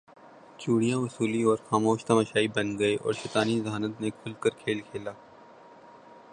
چوڑیاں وصولیں اور خاموش تماشائی بن گئے اور شیطانی ذہانت نے کھل کر کھیل کھیلا